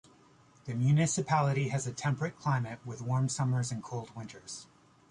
The municipality has a temperate climate, with warm summers and cold winters.